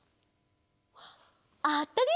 あったり！